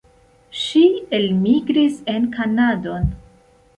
Ŝi elmigris en Kanadon.